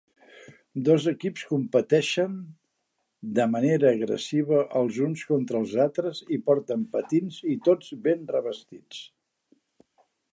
Dos equips competeixen de manera agressiva els uns contra els altres i porten patins i tots ben revestits.